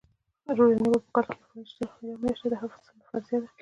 روژه نیول په کال کي یوه میاشت د هر مسلمان فریضه ده